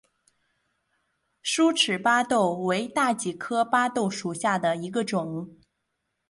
疏齿巴豆为大戟科巴豆属下的一个种。